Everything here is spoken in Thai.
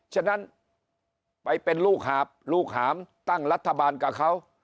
ฉะนั้นไปเป็นลูกหาบลูกหามตั้งรัฐบาลกับเขา